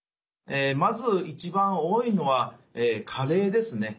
まず一番多いのは加齢ですね。